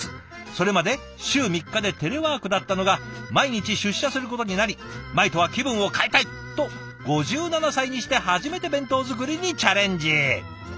それまで週３日でテレワークだったのが毎日出社することになり「前とは気分を変えたい！」と５７歳にして初めて弁当作りにチャレンジ。